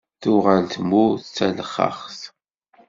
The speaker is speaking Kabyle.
Tuɣal tmurt d talexxaxt.